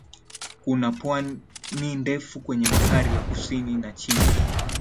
Kuna pwani ndefu kwenye Bahari ya Kusini ya China